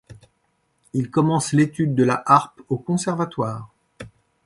Il commence l’étude de la harpe au Conservatoire.